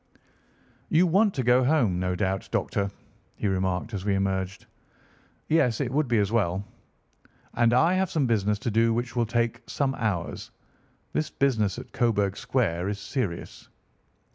"You want to go home, no doubt, Doctor," he remarked as we emerged. "Yes, it would be as well." "And I have some business to do which will take some hours. This business at Coburg Square is serious."